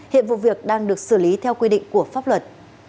hiện vụ việc đang được xử lý theo quy định của pháp luật